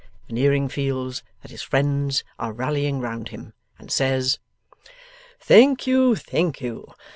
Veneering feels that his friends are rallying round him, and says, 'Thank you, thank you.